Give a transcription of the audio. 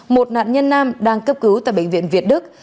một nạn nhân nam đang cấp cứu tại bệnh viện việt đức